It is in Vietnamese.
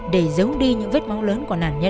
để giấu đi những vết máu lớn của nạn nhân